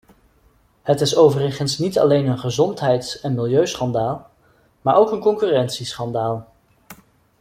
Het is overigens niet alleen een gezondheids- en milieuschandaal, maar ook een concurrentieschandaal.